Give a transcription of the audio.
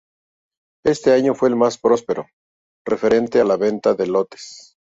Este año fue el más próspero referente a la venta de lotes.